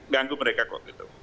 ganggu mereka kok